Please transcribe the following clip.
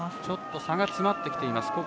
ちょっと差が詰まってきています。